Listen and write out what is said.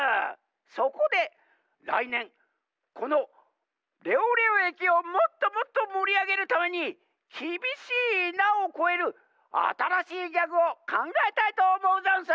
そこでらいねんこのレオレオえきをもっともっともりあげるために『きびしいな』をこえるあたらしいギャグをかんがえたいとおもうざんす！